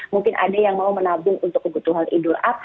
mungkin ada yang mau menabung untuk kebutuhan hidup